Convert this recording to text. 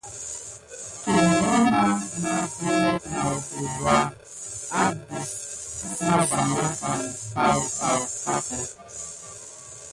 Tulho na maku net maye dukua kala def mazalakane pay tät de.